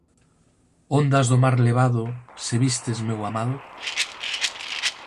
Ondas do mar levado, se vistes meu amado?